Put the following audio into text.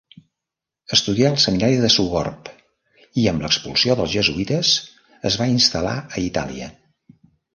Estudià al seminari de Sogorb i, amb l'expulsió dels jesuïtes, es va instal·lar a Itàlia.